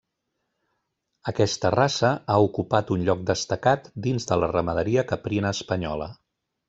Aquesta raça ha ocupat un lloc destacat dins de la ramaderia caprina espanyola.